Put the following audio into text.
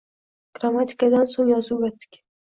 Grammatikadan so`ng yozuvga o`tdik